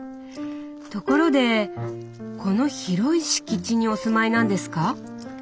ところでこの広い敷地にお住まいなんですか？